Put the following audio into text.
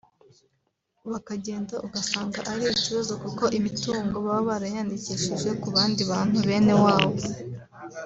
bakagenda usanga ari ikibazo kuko imitungo baba barayandikishije ku bandi bantu bene wabo